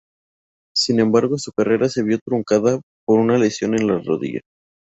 Sin embargo, su carrera se vio truncada por una lesión en la rodilla.